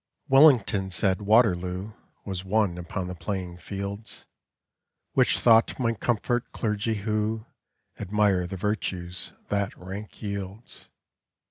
Wellington said Waterloo Was won upon the playing fields, Which thought might comfort clergy who Admire the virtues that rank yields.